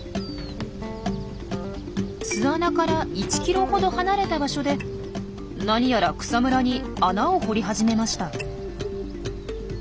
巣穴から１キロほど離れた場所でなにやら草むらに穴を掘り始めました。